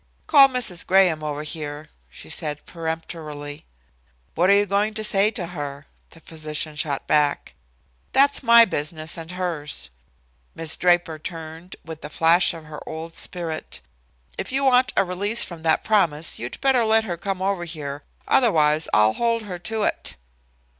"Call Mrs. Graham over here," she said peremptorily. "What are you going to say to her?" the physician shot back. "That's my business and hers," Miss Draper returned, with a flash of her old spirit. "If you want a release from that promise you'd better let her come over here, otherwise I'll hold her to it."